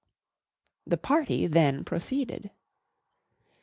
The party then proceeded.